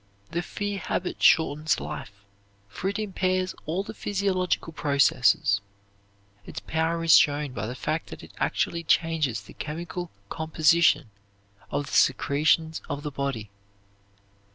The fear habit shortens life, for it impairs all the physiological processes. Its power is shown by the fact that it actually changes the chemical composition of the secretions of the body.